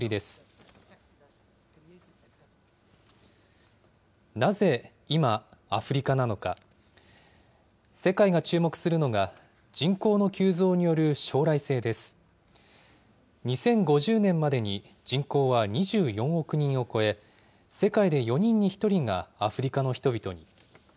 ２０５０年までに人口は２４億人を超え、世界で４人に１人がアフリカの人々に。